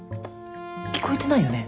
聞こえてないよね？